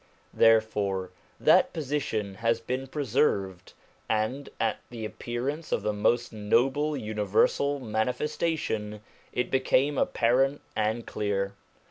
Therefore that position has been preserved, and, at the appearance of the most noble universal Manifestation, it became apparent and clear.